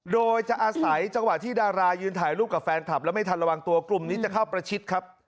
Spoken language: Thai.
โดยจะอาศัยจังหวะที่ดารายืนถ่ายรูปกับแฟนคลับแล้วไม่ทันระวังตัวกลุ่มนี้จะเข้าประชิดครับ